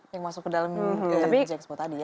yang masuk ke dalam bg expo tadi ya